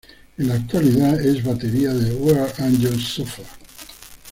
En la actualidad es el baterista Where angels suffer.